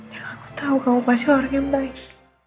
ya aku tahu kamu pasti orang yang baik